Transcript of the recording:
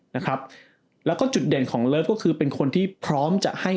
นะครับแล้วก็จุดเด่นของเลิฟก็คือเป็นคนที่พร้อมจะให้